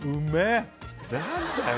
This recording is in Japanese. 何だよ